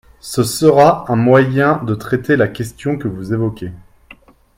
Ce sera un moyen de traiter la question que vous évoquez.